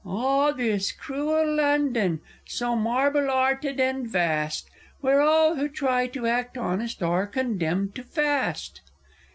Ah, this cruel London, so marble 'arted and vast, Where all who try to act honest are condemned to fast!